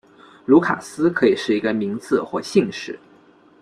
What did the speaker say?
卢卡斯可以是一个名字或姓氏。